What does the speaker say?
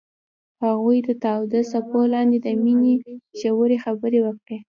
هغوی د تاوده څپو لاندې د مینې ژورې خبرې وکړې.